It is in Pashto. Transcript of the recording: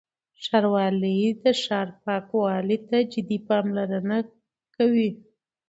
ښاروالۍ د ښار پاکوالي ته جدي پاملرنه کوي.